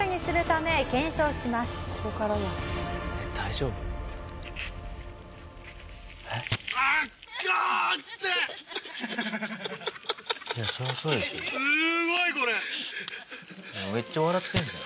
「めっちゃ笑ってんじゃん」